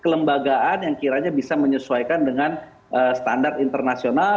kelembagaan yang kiranya bisa menyesuaikan dengan standar internasional